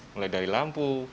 mulai dari lampu